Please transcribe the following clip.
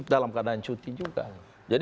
dalam keadaan cuti juga